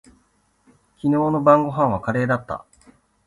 昨日の晩御飯はカレーだった。